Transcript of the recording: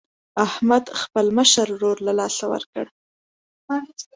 احمد خپل مشر ورور له لاسه ورکړ.